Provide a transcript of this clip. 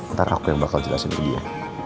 ntar aku yang bakal jelasin ke dia